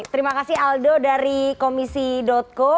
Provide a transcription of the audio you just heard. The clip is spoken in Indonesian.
terima kasih aldo dari komisi co